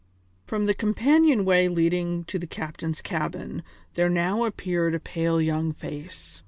From the companion way leading to the captain's cabin there now appeared a pale young face.